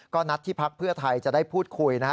ก็นัดที่พักเพื่อไทยจะได้พูดคุยนะฮะ